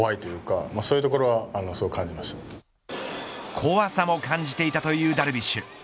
怖さも感じていたというダルビッシュ。